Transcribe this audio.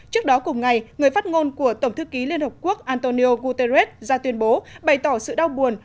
trước đó cùng ngày người phát ngôn của tổng thư ký liên hợp quốc antonio guterres ra tuyên bố bày tỏ sự đau buồn